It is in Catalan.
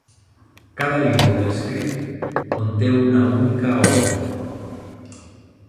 Cada línia de l'script conté una única ordre.